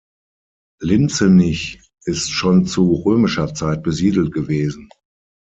Linzenich ist schon zu römischer Zeit besiedelt gewesen.